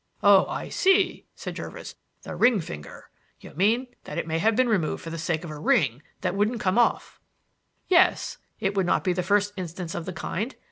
"Oh, I see!" said Jervis. "The ring finger. You mean that it may have been removed for the sake of a ring that wouldn't come off." "Yes. It would not be the first instance of the kind.